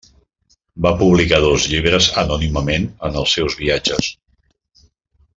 Va publicar dos llibres anònimament en els seus viatges.